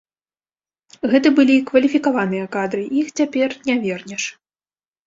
Гэта былі кваліфікаваныя кадры, іх цяпер не вернеш.